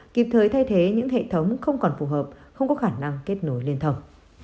kịp thời thay thế những hệ thống không còn phù hợp không có khả năng kết nối liên thông